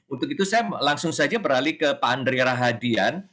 untuk itu saya langsung saja beralih ke pak andre rahadian